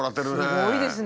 すごいですね。